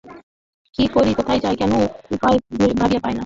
কি করি কোথায় যাই কোন উপায় ভাবিয়া পাই না।